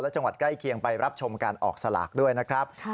และจังหวัดใกล้เคียงไปรับชมการออกสลากด้วยนะครับ